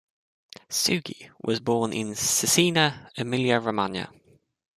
Sughi was born in Cesena, Emilia-Romagna.